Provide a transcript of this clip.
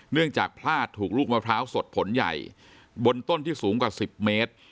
เนื่องจากพลาดถูกลูกมะพร้าวสดผลใหญ่บนต้นที่สูงกว่า๑๐เมตร